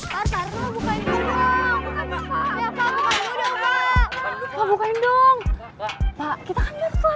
pak kita kan jatuh sekitar semenit doang pak